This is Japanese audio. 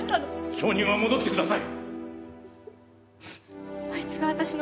証人は戻ってください！